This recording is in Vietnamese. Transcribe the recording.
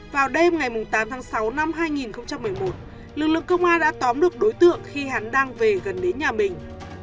vào đêm ngày tám tháng sáu năm hai nghìn một mươi một lực lượng công an đã tóm được đối tượng khi hắn đang về gần đến nhà mình